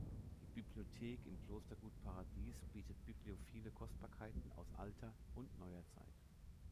Die Bibliothek im Klostergut Paradies bietet bibliophile Kostbarkeiten aus alter und neuer Zeit.